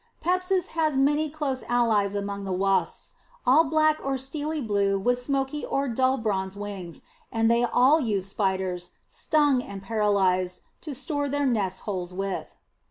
Pepsis has many close allies among the wasps, all black or steely blue with smoky or dull bronze wings, and they all use spiders, stung and paralyzed, to store their nest holes with.